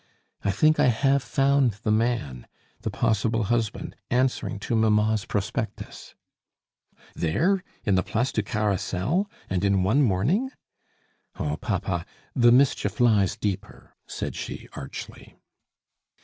I think I have found the man, the possible husband, answering to mamma's prospectus " "There? in the Place du Carrousel? and in one morning?" "Oh, papa, the mischief lies deeper!" said she archly.